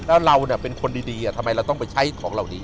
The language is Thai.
ถ้าเราเป็นคนดีทำไมเราต้องไปใช้ของเราดี